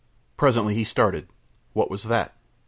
Presently he started. What was that?